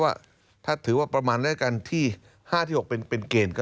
เวลามีงานพระเมรินต์กลางเมืองอย่างนี้นะครับ